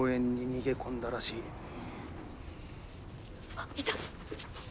あっいた！